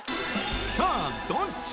さあどっち？